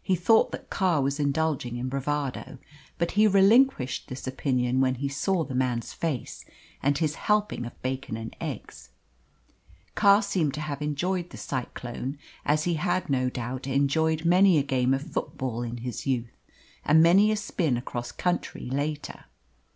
He thought that Carr was indulging in bravado, but he relinquished this opinion when he saw the man's face and his helping of bacon and eggs. Carr seemed to have enjoyed the cyclone, as he had no doubt enjoyed many a game of football in his youth, and many a spin across country later.